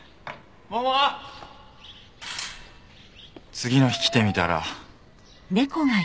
次の日来てみたら。